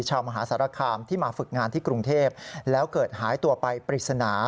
มหาสารคามที่มาฝึกงานที่กรุงเทพแล้วเกิดหายตัวไปปริศนา